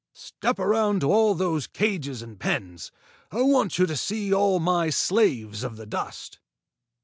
"Step around to all those cages and pens. I want you to see all my slaves of the dust."